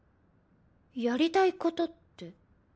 やりたいことって？